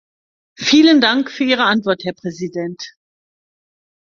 Vielen Dank für Ihre Antwort, Herr Präsident.